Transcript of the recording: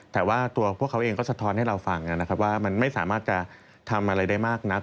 แต่ว่าตัวพวกเขาเองก็สะท้อนให้เราฟังนะครับว่ามันไม่สามารถจะทำอะไรได้มากนัก